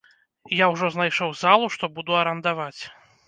Я ўжо знайшоў залу, што буду арандаваць.